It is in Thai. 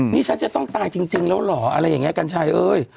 นี่ฉันจะต้องตายจริงแล้วเหรออะไรอย่างนี้กัญชัยเอ้ย